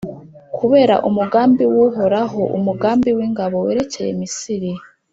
kubera umugambi w’Uhoraho Umugaba w’ingabo, werekeye Misiri.